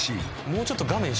もうちょっと画面